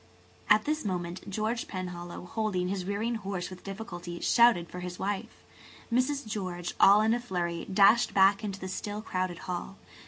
At this moment George Penhallow, holding his rearing horse with difficulty, shouted for his wife. Mrs. George, all in a flurry, dashed back into the still crowded hall.